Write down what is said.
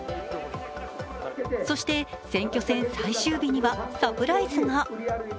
そして選挙戦最終日にはサプライズが。